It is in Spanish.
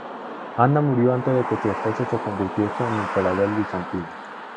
Ana murió antes de que su esposo se convirtiese en emperador bizantino.